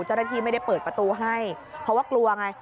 เจ้าหน้าที่ไม่ได้เปิดประตูให้เพราะว่ากลัวไง